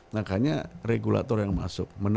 makanya regulator yang masuk